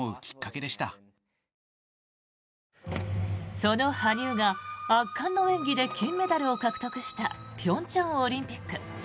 その羽生が圧巻の演技で金メダルを獲得した平昌オリンピック。